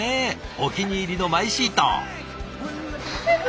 お気に入りのマイシート。